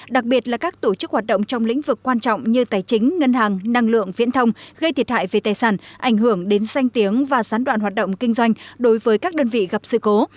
đặc biệt là các tổ chức hoạt động trong lĩnh vực quan trọng như tài chính ngân hàng năng lượng viễn thông gây thiệt hại về tài sản ảnh hưởng đến sanh tiếng và gián đoạn hoạt động kinh doanh đối với các đơn vị gặp sự cố